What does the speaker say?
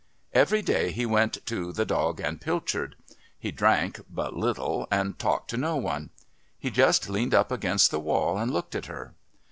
Every day he went to "The Dog and Pilchard." He drank but little and talked to no one. He just leaned up against the wall and looked at her.